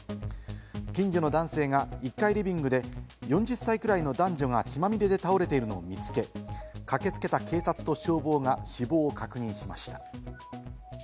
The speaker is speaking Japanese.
近所の男性が１階リビングで４０歳くらいの男女が血まみれで倒れているのを見つけ、駆けつけた警察と消防が死亡を確認しました。